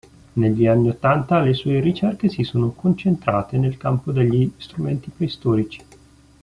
Negli anni ottanta le sue ricerche si sono concentrate nel campo degli strumenti preistorici.